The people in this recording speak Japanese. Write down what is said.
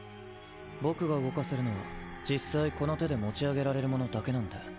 僕が動かせるのは実際この手で持ち上げられるものだけなんで。